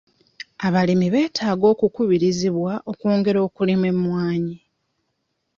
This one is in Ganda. Abalimi beetaaga okukubirizibwa okwongera okulima emmwanyi.